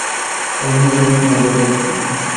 আমি অনেক মজা পাইছি।